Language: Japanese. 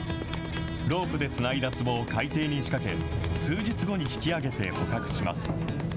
ロープでつないだつぼを海底に仕掛け、数日後に引き上げて捕獲します。